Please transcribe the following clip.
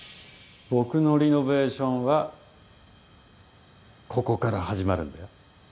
僕のリノベーションはここから始まるんだよ。